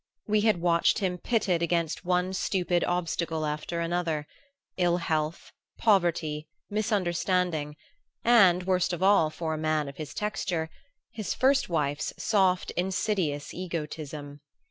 We had watched him pitted against one stupid obstacle after another ill health, poverty, misunderstanding and, worst of all for a man of his texture, his first wife's soft insidious egotism.